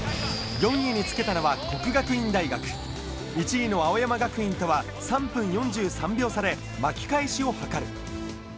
４位につけたのは國學院大學、１位の青山学院とは３分４３秒差で巻き返しを図る。